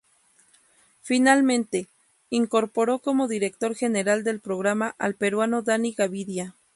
Finalmente, incorporó como director general del programa al peruano Danny Gavidia.